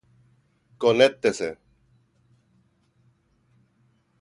Conéctese.